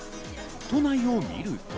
都内を見ると。